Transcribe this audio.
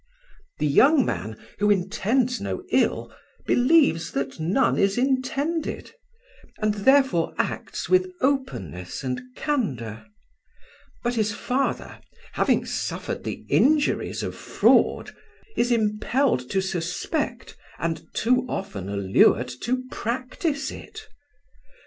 The young man, who intends no ill, believes that none is intended, and therefore acts with openness and candour; but his father; having suffered the injuries of fraud, is impelled to suspect and too often allured to practise it.